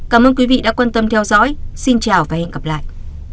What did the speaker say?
cảm ơn quý vị đã quan tâm theo dõi xin chào và hẹn gặp lại